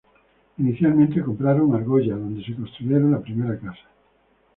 Inicialmente compraron Argolla donde construyeron la primera casa.